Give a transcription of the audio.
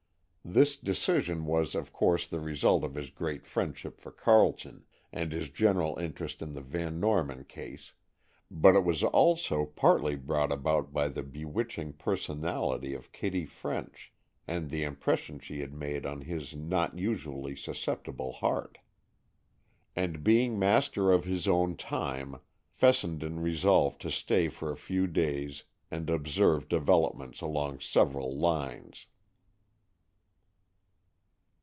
This decision was, of course, the result of his great friendship for Carleton, and his general interest in the Van Norman case, but it was also partly brought about by the bewitching personality of Kitty French and the impression she had made on his not usually susceptible heart. And being master of his own time, Fessenden resolved to stay for a few days and observe developments along several lines.